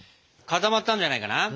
固まったんじゃないかな？